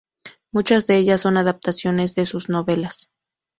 Muchas de ellas son adaptaciones de sus novelas.